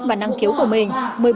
và năng kiếu của mình